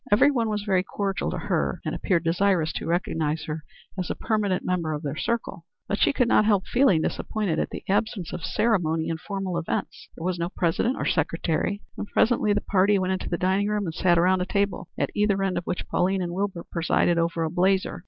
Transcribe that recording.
Every one was very cordial to her, and appeared desirous to recognize her as a permanent member of their circle, but she could not help feeling disappointed at the absence of ceremony and formal events. There was no president or secretary, and presently the party went into the dining room and sat around a table, at either end of which Pauline and Wilbur presided over a blazer.